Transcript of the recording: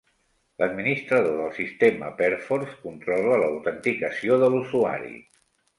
L'administrador del sistema Perforce controla l'autenticació de l'usuari.